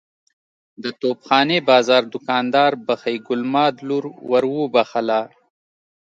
د توپ خانې بازار دوکاندار بخۍ ګل ماد لور ور وبخښله.